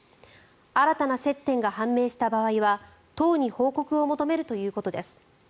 新たな接点が判明した場合は党に報告を求めるということです。